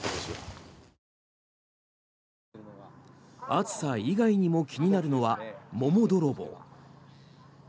暑さ以外にも気になるのは桃泥棒。